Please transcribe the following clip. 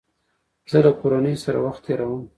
زه له کورنۍ سره وخت تېرووم.